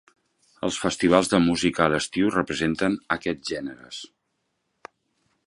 Els festivals de música a l'estiu representen aquests gèneres.